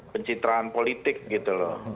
pencitraan politik gitu loh